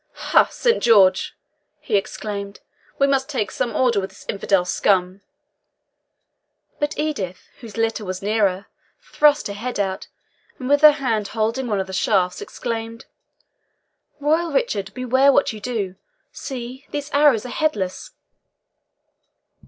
"Ha! Saint George," he exclaimed, "we must take some order with this infidel scum!" But Edith, whose litter was near, thrust her head out, and with her hand holding one of the shafts, exclaimed, "Royal Richard, beware what you do! see, these arrows are headless!"